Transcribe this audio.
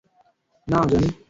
না, জনি।